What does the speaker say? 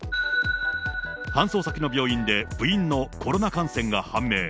搬送先の病院で、部員のコロナ感染が判明。